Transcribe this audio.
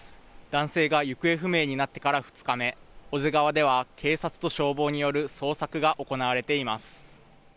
男性が行方不明になってから２日目、小瀬川では警察と消防による捜索が行われています。